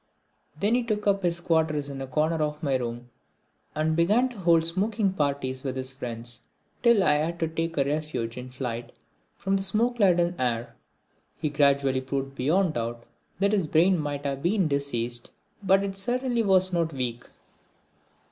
Then he took up his quarters in a corner of my room and began to hold smoking parties with his friends, till I had to take refuge in flight from the smoke laden air. He gradually proved beyond doubt that his brain might have been diseased, but it certainly was not weak.